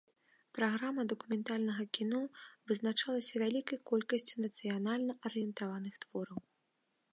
Праграма дакументальнага кіно вызначалася вялікай колькасцю нацыянальна арыентаваных твораў.